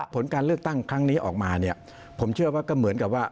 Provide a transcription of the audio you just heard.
ผลการเลือกตั้งครั้งนี้ออกมาเนี่ยผมเชื่อว่าก็เหมือนกับว่า